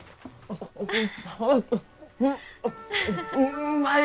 うまい！